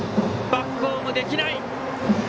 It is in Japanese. バックホームできない！